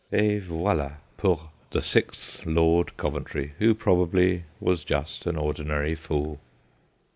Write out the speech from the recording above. Et voila pour the sixth Lord Coventry, who probably was just an ordinary fool.